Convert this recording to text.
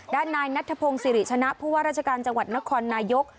ด้านนายนัทพงศิริชนะผู้ว่าราชการจังหวัดนครนายก